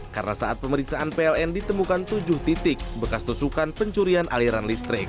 karena saat pemeriksaan pln ditemukan tujuh titik bekas tusukan pencurian aliran listrik